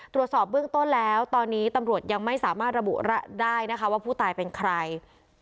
ตรวจสอบเบื้องต้นแล้วตอนนี้ตำรวจยังไม่สามารถระบุได้นะคะว่าผู้ตายเป็นใคร